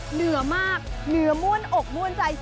เหนือมากเหนือม่วนอกม่วนใจ